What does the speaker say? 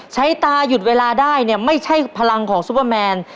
ใช้ตาหยุดเวลาได้เนี่ยไม่ใช่พลังของซุปเปอร์แมน